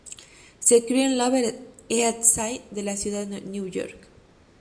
Se crio en el Lower East Side de la ciudad de Nueva York.